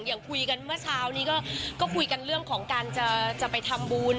อย่างคุยกันเมื่อเช้านี้ก็คุยกันเรื่องของการจะไปทำบุญ